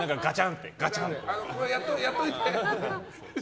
やっといてって？